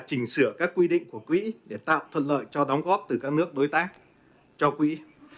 trình sửa các quy định của quý để tạo thuận lợi cho đóng góp từ các nước đối tác cho quý